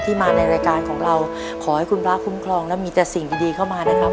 มาในรายการของเราขอให้คุณพระคุ้มครองและมีแต่สิ่งดีเข้ามานะครับ